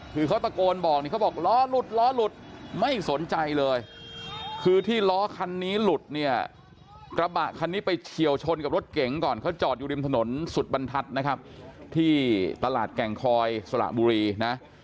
คือเขาตะโกนบอกนี่เขาบอกล้อหลุดล้อหลุดไม่สนใจเลยคือที่ล้อคันนี้หลุดเนี่ยกระบะคันนี้ไปเฉียวชนกับรถเก๋งก่อนเขาจอดอยู่ริมถนนสุดบรรทัศน์นะครับที่ตลาดแก่งคอยสระบุรีนะ